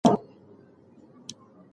د ښځو میاشتنی عادت د غوړو په ویش اغیز کوي.